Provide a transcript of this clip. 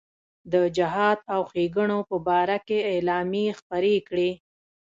د جهاد او ښېګڼو په باره کې اعلامیې خپرې کړې.